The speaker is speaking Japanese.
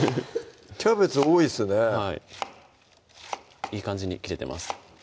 キャベツ多いですねはいいい感じに切れてます